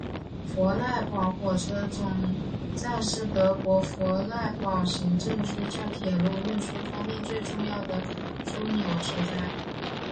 弗赖堡火车总站是德国弗赖堡行政区在铁路运输方面最重要的枢纽车站。